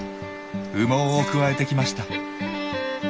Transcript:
羽毛をくわえてきました。